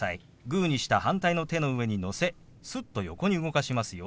グーにした反対の手の上にのせすっと横に動かしますよ。